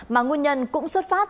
mà nguyên nhân cũng xuất phát